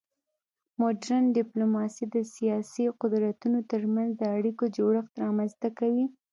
مډرن ډیپلوماسي د سیاسي قدرتونو ترمنځ د اړیکو جوړښت رامنځته کوي